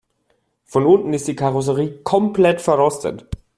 Von unten ist die Karosserie komplett verrostet.